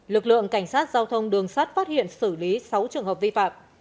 lực lượng cảnh sát giao thông đường sát phát hiện xử lý sáu trường hợp vi phạm